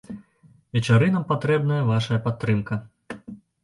Вечарынам патрэбная вашая падтрымка!